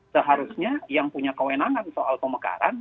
seharusnya yang punya kewenangan soal pemekaran